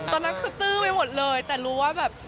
ตอนนั้นคือตื้อไปหมดเลยแต่รู้ว่าแบบ